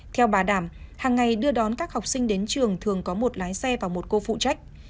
theo bà đảm hàng ngày đưa đón các học sinh đến trường thường có một lái xe và một cô phụ trách